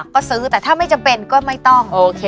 ก็ซื้อแต่ถ้าไม่จำเป็นก็ไม่ต้องโอเค